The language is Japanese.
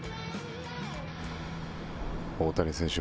大谷選手